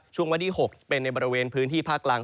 วันที่๖เป็นในบริเวณพื้นที่ภาคกลาง